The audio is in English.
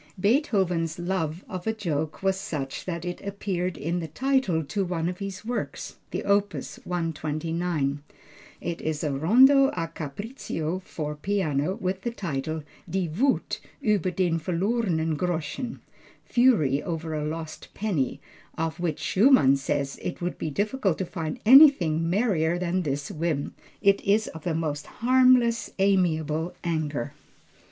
Beethoven's love of a joke was such that it appears in the title to one of his works, the opus 129. It is a rondo a capriccio for piano, with the title, Die Wuth über den verlorenen Groschen (fury over a lost penny), of which Schumann says "it would be difficult to find anything merrier than this whim. It is the most harmless amiable anger."